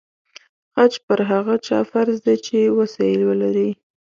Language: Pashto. حج پر هغه چا فرض دی چې وسه یې ولري.